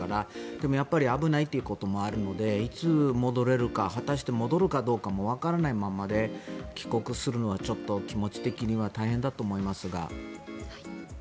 でも危ないっていうこともあるのでいつ戻れるか果たして戻るかどうかもわからないままで帰国するのは気持ち的には大変だと思いますが。